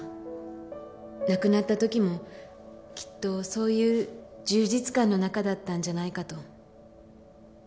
亡くなったときもきっとそういう充実感の中だったんじゃないかと。